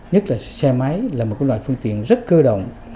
nhất là xe máy là một loại phương tiện rất cơ động